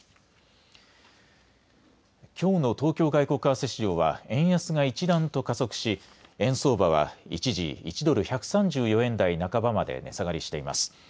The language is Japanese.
きょうの東京外国為替市場は円安が一段と加速し円相場は一時、１ドル１３４円台半ばまで値下がりしています。